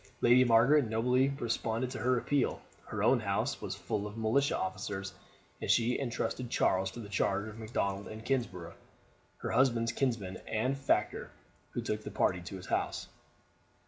Lady Margaret nobly responded to her appeal. Her own house was full of militia officers, and she intrusted Charles to the charge of Macdonald of Kingsburgh, her husband's kinsman and factor, who took the party to his house.